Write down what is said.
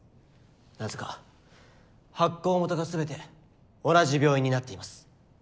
なぜか発行元が全て同じ病院になっています。